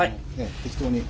適当に。